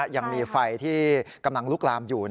ยังมีไฟที่กำลังลุกลามอยู่